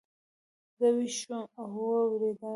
زه ویښ شوم او ووېرېدم.